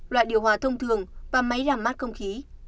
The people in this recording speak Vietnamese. loại điều hòa thông thường và máy làm mát không khí